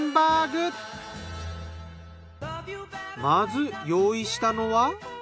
まず用意したのは。